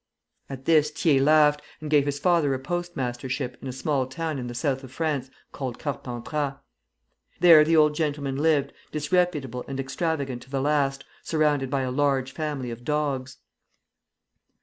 At this Thiers laughed, and gave his father a post mastership in a small town in the South of France called Carpentras. There the old gentleman lived, disreputable and extravagant to the last, surrounded by a large family of dogs.